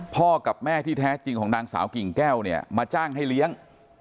กับแม่ที่แท้จริงของนางสาวกิ่งแก้วเนี่ยมาจ้างให้เลี้ยง